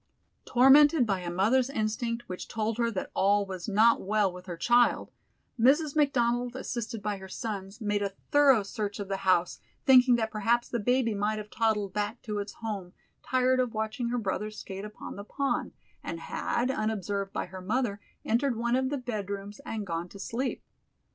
Tormented by a mother's instinct which told her that all was not well with her child, Mrs. McDonald, assisted by her sons, made a thorough search of the house, thinking that perhaps the baby might have toddled back to its home, tired of watching her brothers skate upon the pond, and had, unobserved by her mother, entered one of the bed rooms and gone to sleep.